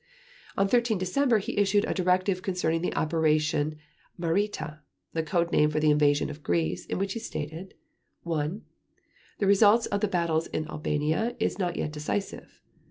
On 13 December he issued a directive concerning the operation "Marita," the code name for the invasion of Greece, in which he stated: "1. The result of the battles in Albania is not yet decisive.